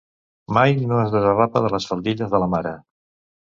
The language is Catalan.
Mai no es desarrapa de les faldilles de la mare.